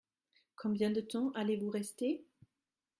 Combien de temps allez-vous rester ?